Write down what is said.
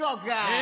え？